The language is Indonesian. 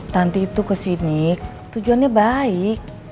tanti itu ke sini tujuannya baik